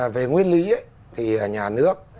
về nguyên lý thì nhà nước